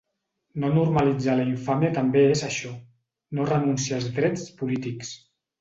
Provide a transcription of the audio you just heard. No normalitzar la infàmia també és això: no renunciar als drets polítics.